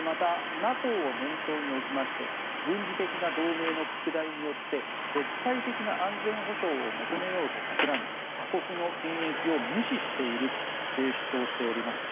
またＮＡＴＯを念頭に置きまして軍事的な同盟の拡大によって絶対的な安全保障を求めようとたくらみ他国の権益を無視していると主張しております。